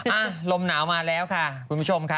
อ่ะลมหนาวมาแล้วค่ะคุณผู้ชมค่ะ